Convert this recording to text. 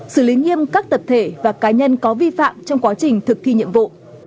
xử lý nghiêm các tập thể và cá nhân có vi phạm trong quá trình thực thi nhiệm vụ